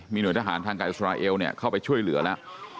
หน่วยทหารทางการอิสราเอลเข้าไปช่วยเหลือแล้ว